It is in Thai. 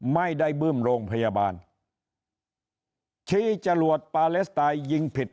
ไม่ได้บื้มโรงพยาบาลชี้จรวดปาเลสไตยยิงผิดพลาดเอง